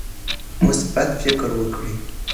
مثبت فکر ولرئ.